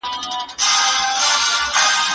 دا سند باید په پښتو کي تایید کړل سي.